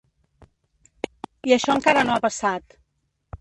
I això encara no ha passat.